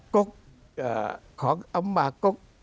ก๊กของอำมากก